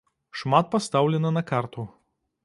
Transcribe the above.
Шмат пастаўлена на карту.